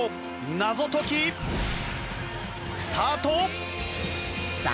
謎解きスタート！問題。